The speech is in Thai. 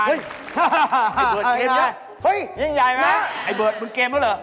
เฮ้ยไอ้เบิร์ดเกมใหญ่เฮ้ยยิ่งใหญ่ไหมไอ้เบิร์ดมึงเกมแล้วเหรอ